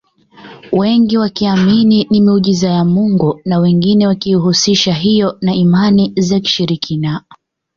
Wengi wakiamini ni miujiza ya mungu na wengine wakiihusisha hiyo na imani za kishirikina